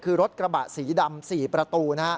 คือรถกระบะสีดำ๔ประตู